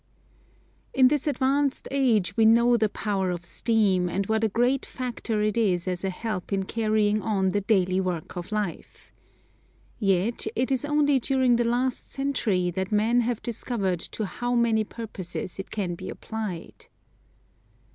In this advanced age we know the power of steam, and what a great factor it is as a help in carrying on the daily work of life. Yet, it is only during the last century that men have discovered to how many purposes it can be applied.